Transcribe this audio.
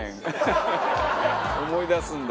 思い出すんだ。